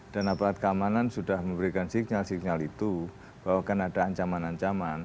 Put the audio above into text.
dan apalagi keamanan sudah memberikan signal signal itu bahwa kan ada ancaman ancaman